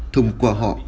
thông qua họ